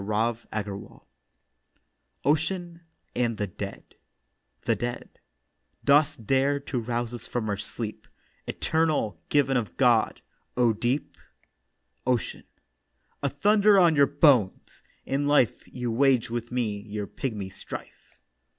OCEAN AND THE DEAD THE DEAD: 'Dost dare to rouse us from our sleep, Eternal, given of God, O Deep?' OCEAN: 'A thunder on your bones! In life You waged with me your pigmy strife.